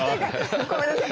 ごめんなさい。